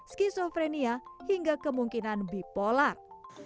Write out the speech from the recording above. skizofrenia hingga kemungkinan bipolar